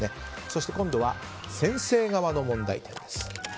そして今度は先生側の問題点。